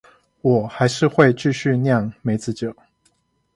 我還是會繼續釀梅子酒